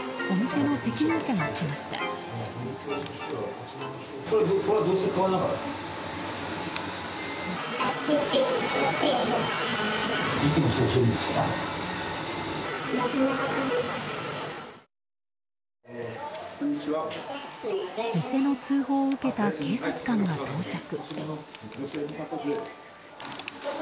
店の通報を受けた警察官が到着。